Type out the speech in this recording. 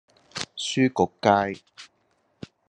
書局街